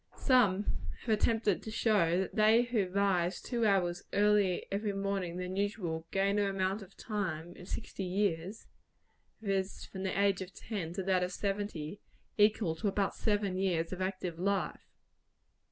Some have attempted to show that they who rise two hours earlier every morning than usual, gain an amount of time in sixty years viz., from the age of ten to that of seventy equal to about seven years of active life.